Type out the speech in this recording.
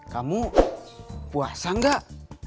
kamu puasa enggak